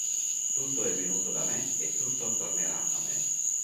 Tutto è venuto da me e tutto tornerà a me.